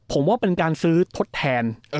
ผมว่าเป็นการซื้อทดแทน